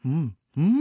うん！